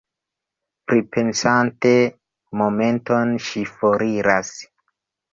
Pripensante momenton, ŝi foriras.